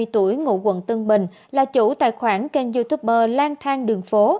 ba mươi tuổi ngụ quận tân bình là chủ tài khoản kênh youtuber lang thang đường phố